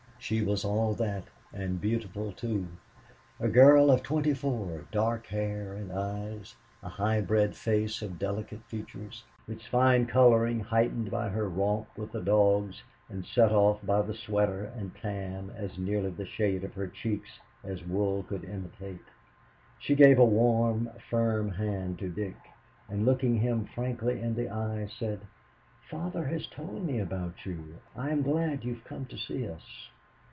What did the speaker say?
She was all that and beautiful, too a girl of twenty four, dark hair and eyes, a high bred face of delicate features, its fine coloring heightened by her romp with the dogs and set off by a sweater and tam as nearly the shade of her cheeks as wool could imitate. She gave a warm, firm hand to Dick, and looking him frankly in the eye, said: "Father has told me about you. I am glad you have come to see us."